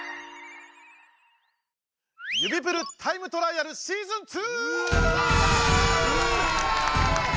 指プルタイムトライアルシーズン２！